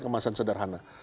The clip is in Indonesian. kemudian kemasan sederhana